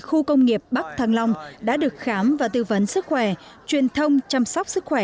khu công nghiệp bắc thăng long đã được khám và tư vấn sức khỏe truyền thông chăm sóc sức khỏe